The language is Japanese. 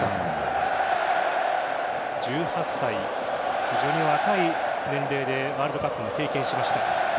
１８歳、非常に若い年齢でワールドカップを経験しました。